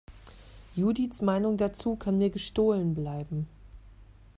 Judiths Meinung dazu kann mir gestohlen bleiben!